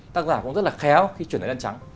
tác giả cũng rất là khéo khi chuyển lên trắng